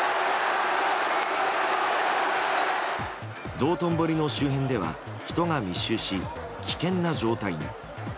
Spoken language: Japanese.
道頓堀の周辺では人が密集し危険な状態に。